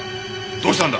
どうしたんだ？